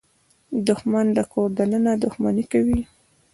دښمن د کور دننه دښمني کوي